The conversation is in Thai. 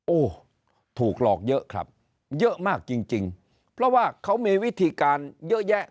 โอ้โหถูกหลอกเยอะครับเยอะมากจริงจริงเพราะว่าเขามีวิธีการเยอะแยะ